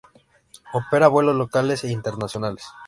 Opera vuelos locales e internacionales.